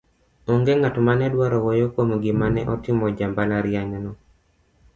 onge ng'at mane dwaro wuoyo kuom gima ne otimo jambalariany no